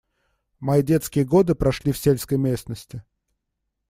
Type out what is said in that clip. Мои детские годы прошли в сельской местности.